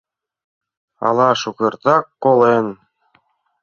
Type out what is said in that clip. Ала шукертак колен?..